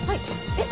えっ？